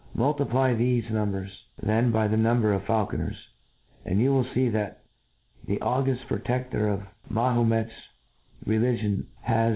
Multiply thefe nuipbers then by the number of faulconers^ and you will fee, that the auguft proteftor of Mahd met^s religion has.